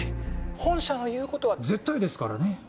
本社の言うことは絶対ですからね。